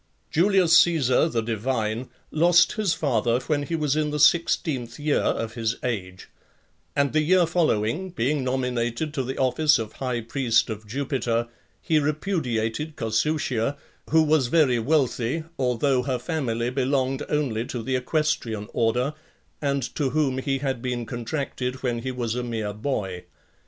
Julius Caesar, the Divine , lost his father when he was in the sixteenth year of his age ; and the year following, being nominated to the office of high priest of Jupiter , he repudiated Cossutia, who was very wealthy, although her family belonged only to the equestrian order, and to whom he had been contracted when he was a mere boy.